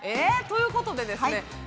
ということでですね